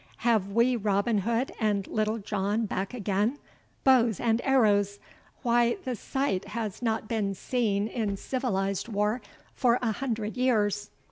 have we Robin Hood and Little John back again? Bows and arrows! why, the sight has not been seen in civilized war for a hundred years.